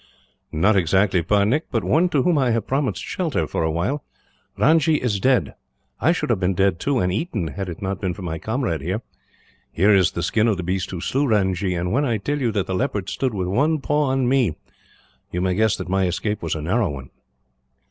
"Not exactly, Parnik, but one to whom I have promised shelter, for a while. Ranji is dead. I should have been dead, too, and eaten; had it not been for my comrade, here. Here is the skin of the beast who slew Ranji and, when I tell you that the leopard stood with one paw on me, you may guess that my escape was a narrow one."